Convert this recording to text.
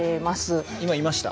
今いました？